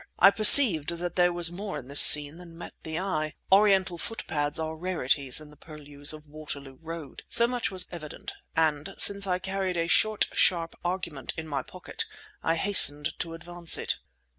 I perceived that there was more in this scene than met the eye. Oriental footpads are rarities in the purlieus of Waterloo Road. So much was evident; and since I carried a short, sharp argument in my pocket, I hastened to advance it.